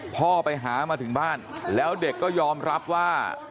พ่อไปหามาถึงบ้านแล้วเด็กก็ยอมรับว่า